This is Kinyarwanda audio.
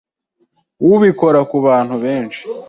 ubikora ku bantu benshi,